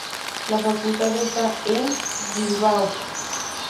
La Facultad esta en Bilbao.